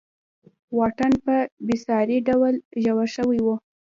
واټن په بېساري ډول ژور شوی و.